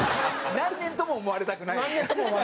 何年とも思われたくない。